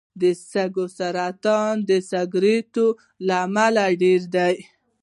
د سږو سرطان د سګرټو له امله ډېر دی.